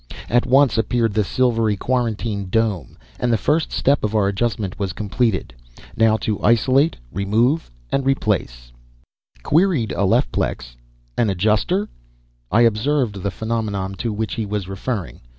At once appeared the silvery quarantine dome, and the first step of our adjustment was completed. Now to isolate, remove, replace. Queried Alephplex: "An Adjuster?" I observed the phenomenon to which he was referring.